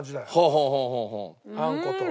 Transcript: あんこと。